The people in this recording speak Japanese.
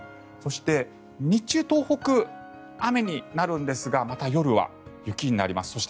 そして、日中東北は雨になるんですがまた夜は雪になります。